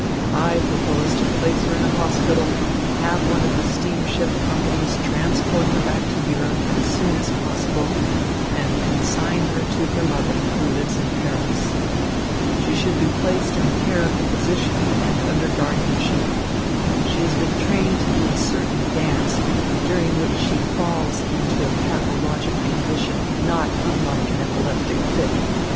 I propose to place her in a hospital, have one of the steamship companies transport her back to Europe as soon as possible, and consign her to her mother, who lives in Paris. She should be placed in the care of a physician and under guardianship. She has been trained to do a certain dance, during which she falls into a pathologic condition not unlike an epileptic fit.